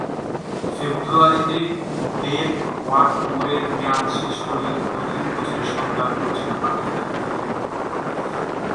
ফেব্রুয়ারিতে ডেভ হোয়াটমোরের মেয়াদ শেষ হলে নতুন কোচের সন্ধান করছিল পাকিস্তান ক্রিকেট বোর্ড।